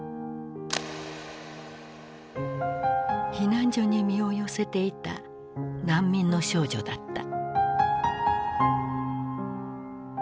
避難所に身を寄せていた難民の少女だった。